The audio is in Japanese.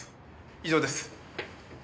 以上です。